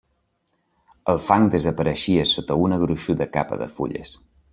El fang desapareixia sota una gruixuda capa de fulles.